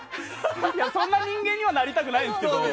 そんな人間にはなりたくないですけどね。